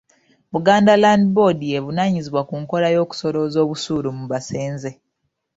Buganda Land Board y'evunaanyizibwa ku nkola y'okusolooza obusuulu mu basenze.